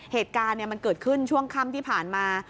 เหตุการณ์มันเกิดขึ้นช่วงค่ำที่ผ่านมา